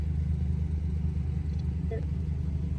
阿圭亚尔是巴西帕拉伊巴州的一个市镇。